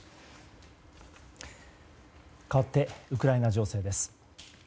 かわってウクライナ情勢です。